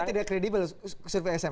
tidak kredibel survei sm